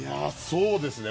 そうですね。